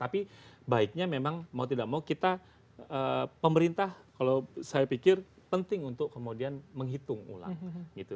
tapi baiknya memang mau tidak mau kita pemerintah kalau saya pikir penting untuk kemudian menghitung ulang gitu